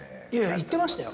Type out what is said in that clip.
言ってましたよ。